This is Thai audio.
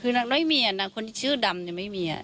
คือนักน้อยมีแต่คนที่ชื่อดำยังไม่มี